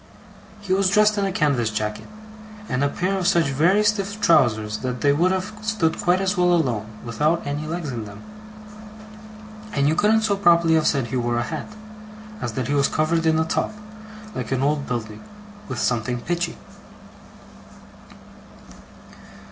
He was dressed in a canvas jacket, and a pair of such very stiff trousers that they would have stood quite as well alone, without any legs in them. And you couldn't so properly have said he wore a hat, as that he was covered in a top, like an old building, with something pitchy.